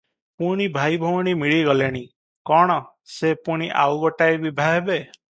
ପୁଣି ଭାଇ ଭଉଣୀ ମିଳି ଗଲେଣି! କଣ, ସେ ପୁଣି ଆଉ ଗୋଟାଏ ବିଭା ହେବେ?